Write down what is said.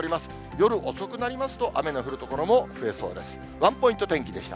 夜遅くなりますと、雨の降る所も増えそうです。